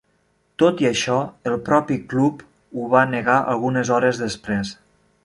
Tot i això, el propi club ho va negar algunes hores després.